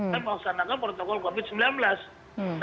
kita melaksanakan protokol covid sembilan belas